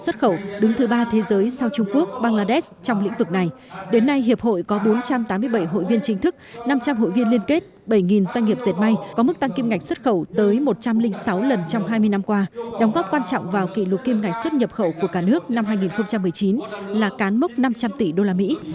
thủ tướng nhập khẩu của cả nước năm hai nghìn một mươi chín là cán mốc năm trăm linh tỷ đô la mỹ